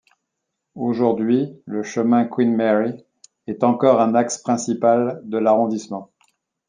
Aujourd'hui, le chemin Queen-Mary est encore un axe principal de l'arrondissement.